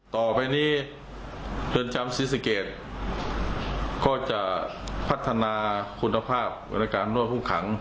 ต่อไปนี้เรือนจำศิษย์เกดก็จะพัฒนาคุณภาพบรรณการนวดหุ้งขัง